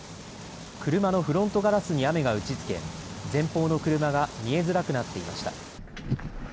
車のフロントガラスに雨が打ちつけ前方の車が見えづらくなっていました。